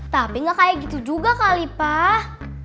tapi nggak kayak gitu juga kali pak